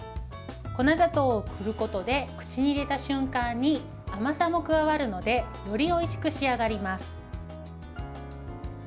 粉砂糖を振ることで口に入れた瞬間に甘さも加わるのでよりおいしく仕上がります。